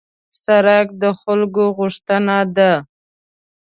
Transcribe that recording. سړک د خلکو غوښتنه ده.